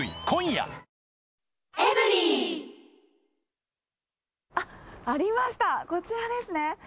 こちらですね。